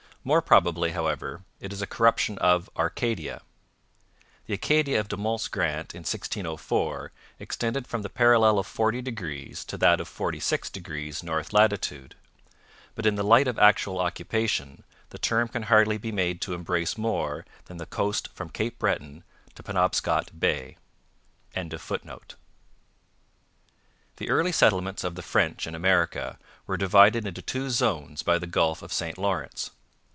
More probably, however, it is a corruption of Arcadia. The Acadia of De Monts' grant in 1604 extended from the parallel of 40 degrees to that of 46 degrees north latitude, but in the light of actual occupation the term can hardly be made to embrace more than the coast from Cape Breton to Penobscot Bay.] The early settlements of the French in America were divided into two zones by the Gulf of St Lawrence.